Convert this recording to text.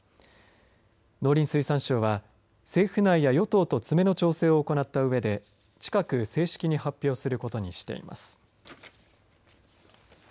農林水産省は政府内や与党と詰めの調整を行ったうえで近く正式に発表することにしています。